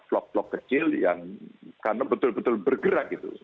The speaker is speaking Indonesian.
vlog vlog kecil yang karena betul betul bergerak gitu